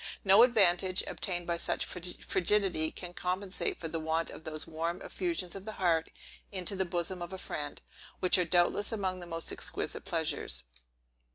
No advantage, obtained by such frigidity, can compensate for the want of those warm effusions of the heart into the bosom of a friend, which are doubtless among the most exquisite pleasures.